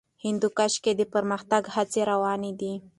هندوکش کې د پرمختګ هڅې روانې دي.